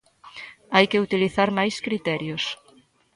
Hai que utilizar máis criterios.